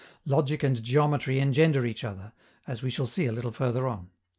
Logic and geometry engender each other, as we shall see a little further on.